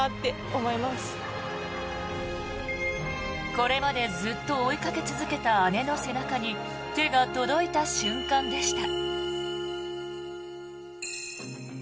これまでずっと追いかけ続けた姉の背中に手が届いた瞬間でした。